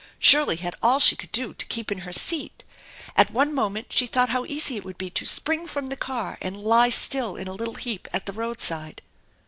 Shirley had all she could do to keep in her Beat. At one moment she thought how easy it would be to spring from the car and lie in a little still heap at the road jide.